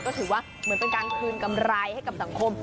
ก็ถือว่าเหมือนเป็นการคืนกำไรให้กับสังคม